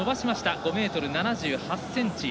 ５ｍ７８ｃｍ。